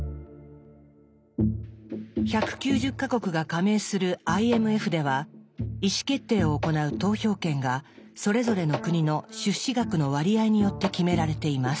１９０か国が加盟するＩＭＦでは意思決定を行う投票権がそれぞれの国の出資額の割合によって決められています。